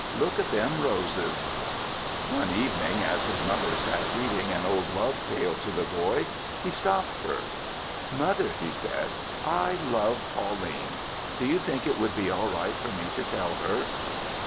Look at them roses." One evening, as his mother sat reading an old love tale to the boy, he stopped her. "Mother," he said, "I love Pauline. Do you think it would be all right for me to tell her?"